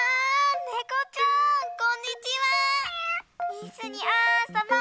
いっしょにあそぼ！